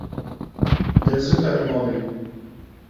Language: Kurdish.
De zû here malê.